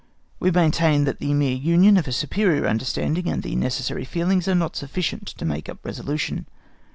We maintain that the mere union of a superior understanding and the necessary feelings are not sufficient to make up resolution.